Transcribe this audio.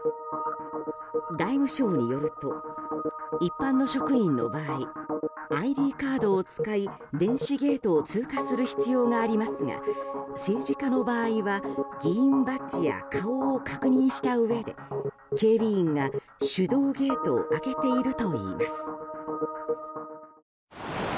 外務省によると一般の職員の場合ＩＤカードを使い、電子ゲートを通過する必要がありますが政治家の場合は議員バッジや顔を確認したうえで警備員が手動ゲートを開けているといいます。